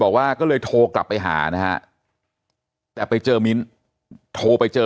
บอกว่าก็เลยโทรกลับไปหานะฮะแต่ไปเจอมิ้นโทรไปเจอ